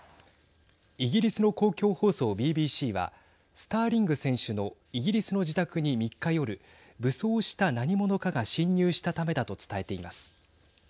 イギリスの公共放送ＢＢＣはスターリング選手のイギリスの自宅に３日夜、武装した何者かが侵入したためだと伝えています。